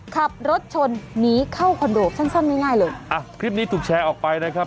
ขับรถชนหนีเข้าคอนโดสั้นสั้นง่ายง่ายเลยอ่ะคลิปนี้ถูกแชร์ออกไปนะครับ